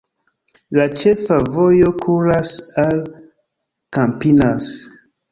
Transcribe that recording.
La ĉefa vojo kuras al Campinas.